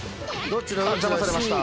あっ邪魔されました。